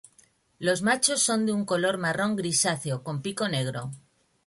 Los machos son de un color marrón grisáceo con pico negro.